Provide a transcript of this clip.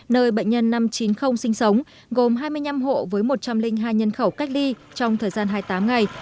nơi bệnh nhân năm trăm chín mươi sinh sống gồm hai mươi năm hộ với một trăm linh hai nhân khẩu cách ly trong thời gian hai mươi tám ngày